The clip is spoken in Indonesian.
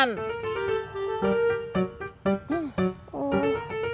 jangan lupa subscribe channel ini